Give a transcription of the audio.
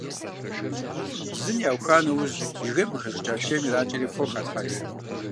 Зын яуха нэужь жыгейм къыхэщӏыкӏа чейм иракӀэри фо халъхьэж.